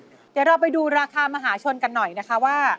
เดี๋ยวเราไปดูราคามหาชนกันหน่อยนะคะว่า